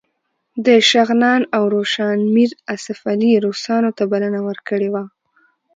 د شغنان او روشان میر آصف علي روسانو ته بلنه ورکړې وه.